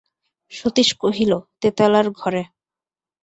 সতীশ কহিল, তেতালার ঘরে।